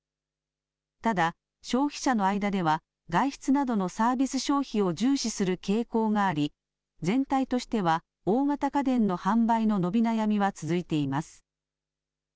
ただ、消費者の間では外出などのサービス消費を重視する傾向があり、全体としては、大型家電の販売の伸び悩みは続いています。